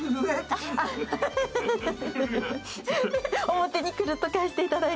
表にクルッと返して頂いて。